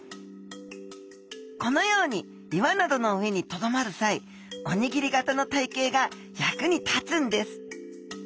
このように岩などの上にとどまる際おにぎり型の体形が役に立つんです。